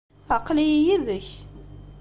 Aql-iyi yid-k.